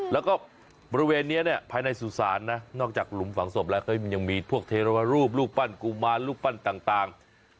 แล้วก็บริเวณนี้เนี่ยภายในสุสานนะนอกจากหลุมฝังศพแล้วก็ยังมีพวกเทรวรูปรูปปั้นกุมารรูปปั้นต่าง